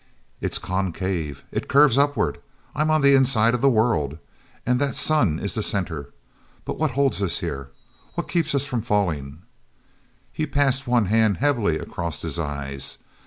"It's concave! It curves upward! I'm on the inside of the world! And that sun is the center! But what holds us here? What keeps us from falling?" He passed one hand heavily across his eyes.